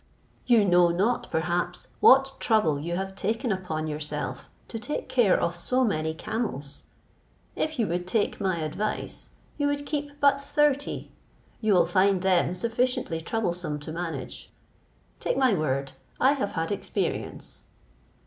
You know not, perhaps, what trouble you have taken upon yourself, to take care of so many camels. If you would take my advice, you would keep but thirty; you will find them sufficiently troublesome to manage. Take my word; I have had experience."